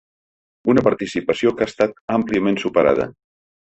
Una participació que ha estat àmpliament superada.